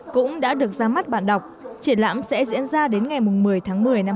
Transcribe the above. cũng đã được ra mắt bản đọc triển lãm sẽ diễn ra đến ngày một mươi tháng một mươi năm hai nghìn hai mươi